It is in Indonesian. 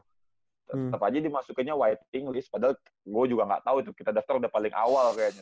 tetep aja dimasukinnya waiting list padahal gue juga nggak tau itu kita daftar udah paling awal kayaknya